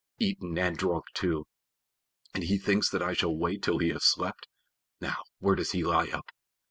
Eaten and drunk too, and he thinks that I shall wait till he has slept! Now, where does he lie up?